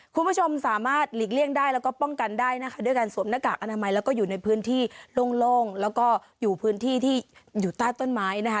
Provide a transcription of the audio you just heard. คุณผู้ชมสามารถหลีกเลี่ยงได้แล้วก็ป้องกันได้นะคะด้วยการสวมหน้ากากอนามัยแล้วก็อยู่ในพื้นที่โล่งแล้วก็อยู่พื้นที่ที่อยู่ใต้ต้นไม้นะคะ